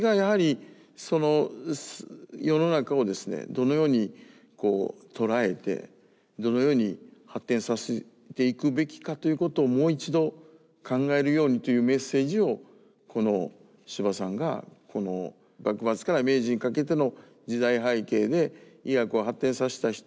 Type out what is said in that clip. どのように捉えてどのように発展させていくべきかということをもう一度考えるようにというメッセージをこの司馬さんが幕末から明治にかけての時代背景で医学を発展させた人。